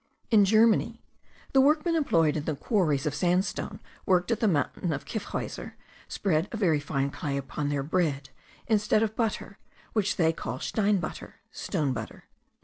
In Germany the workmen employed in the quarries of sandstone worked at the mountain of Kiffhauser spread a very fine clay upon their bread, instead of butter, which they call steinbutter* (stone butter).